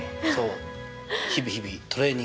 日々日々トレーニング練習です。